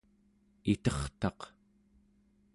itertaq